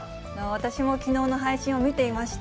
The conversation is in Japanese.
私もきのうの配信を見ていました。